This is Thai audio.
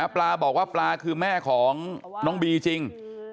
ปลาบอกว่าปลาคือแม่ของน้องบีจริง